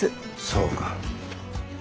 そうか。